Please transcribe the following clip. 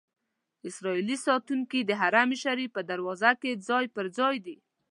اسرائیلي ساتونکي د حرم شریف په دروازو کې ځای پر ځای دي.